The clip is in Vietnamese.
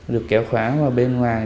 được kéo khóa vào bên ngoài